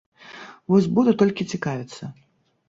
Вось буду толькі цікавіцца.